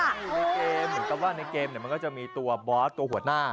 หรือว่าในเกมมันก็จะมีตัวบอสกับหัวหน้า